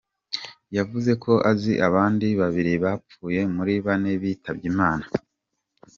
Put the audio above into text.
Yavuze ko azi abandi babiri bapfuye muri bane bitabye Imana.